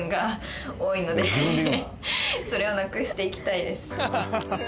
それをなくしていきたいです